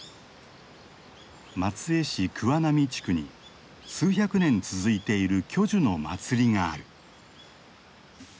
松江市桑並地区に数百年続いている巨樹の祭りがある。